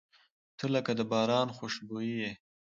• ته لکه د باران خوشبويي یې.